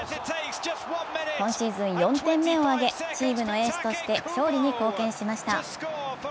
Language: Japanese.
今シーズン４点目を挙げ、チームのエースとして勝利に貢献しました。